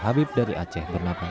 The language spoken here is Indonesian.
habib dari aceh bernama